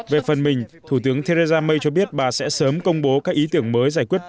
về phần mình thủ tướng theresa may cho biết bà sẽ sớm công bố các ý tưởng mới giải quyết